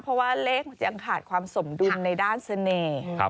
เพราะว่าเลขมันยังขาดความสมดุลในด้านเสน่ห์